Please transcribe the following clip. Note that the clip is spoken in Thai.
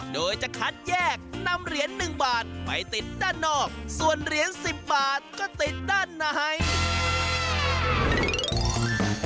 โดยจะคัดแยกนำเหรียญ๑บาทไปติดด้านนอกส่วนเหรียญ๑๐บาทก็ติดด้านใน